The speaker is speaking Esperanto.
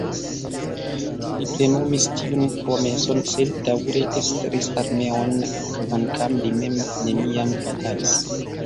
Li plenumis tiun promeson sed daŭre estris armeojn, kvankam li mem neniam batalis.